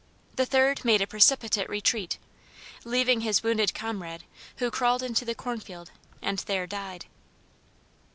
The third made a precipitate retreat, leaving his wounded comrade who crawled into the cornfield and there died.